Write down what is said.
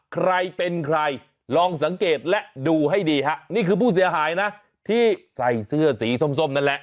ใครเป็นใครลองสังเกตและดูให้ดีฮะนี่คือผู้เสียหายนะที่ใส่เสื้อสีส้มนั่นแหละ